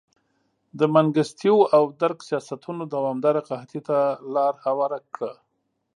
د منګستیو او درګ سیاستونو دوامداره قحطۍ ته لار هواره کړه.